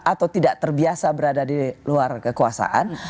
atau tidak terbiasa berada di luar kekuasaan